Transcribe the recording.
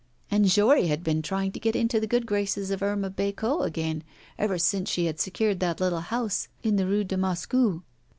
And Jory had been trying to get into the good graces of Irma Bécot again, ever since she had secured that little house in the Rue de Moscou!